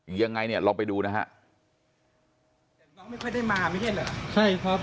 ยังไงเนี้ยลองไปดูนะฮะไม่ค่อยได้มาไม่ได้เหรอใช่ครับ